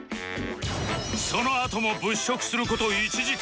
そのあとも物色する事１時間